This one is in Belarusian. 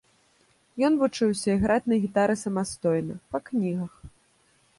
Ён вучыўся іграць на гітары самастойна, па кнігах.